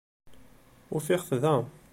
Ufiɣ-t da.